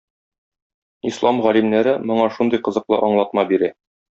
Ислам галимнәре моңа шундый кызыклы аңлатма бирә.